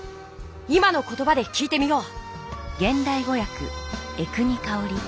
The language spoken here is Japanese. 今の言ばで聞いてみよう。